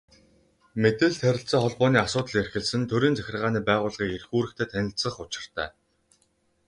Мэдээлэл, харилцаа холбооны асуудал эрхэлсэн төрийн захиргааны байгууллагын эрх үүрэгтэй танилцах учиртай.